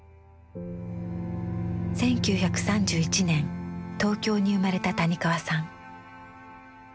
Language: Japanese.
１９３１年東京に生まれた谷川さん。